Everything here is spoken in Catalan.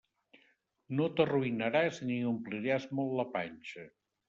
No t'arruïnaràs ni ompliràs molt la panxa.